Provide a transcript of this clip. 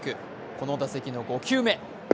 この打席の５球目。